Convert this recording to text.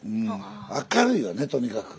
明るいよねとにかく。